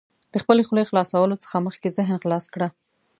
د خپلې خولې خلاصولو څخه مخکې ذهن خلاص کړه.